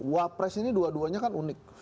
wapres ini dua duanya kan unik